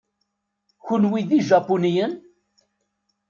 Kenwi d Ijapuniyen?